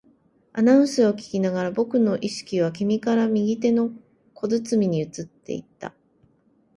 アナウンスを聞きながら、僕の意識は君から右手の小包に移っていった